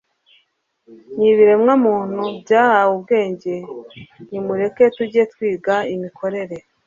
nk'ibiremwamuntu byahawe ubwenge, nimureke tujye twiga imikorere